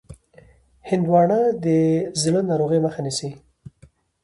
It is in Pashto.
هندوانه د زړه ناروغیو مخه نیسي.